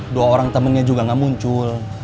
dua orang temennya juga nggak muncul